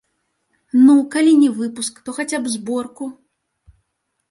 Ну, калі не выпуск, то хаця б зборку?